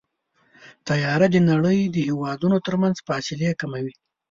طیاره د نړۍ د هېوادونو ترمنځ فاصلې کموي.